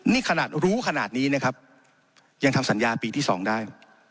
นี่ขนาดรู้ขนาดนี้นะครับยังทำสัญญาปีที่๒ได้